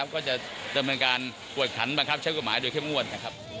ก็จะจำเป็นการปวดขันบังคับใช้กฎหมายโดยเข้มอ้วน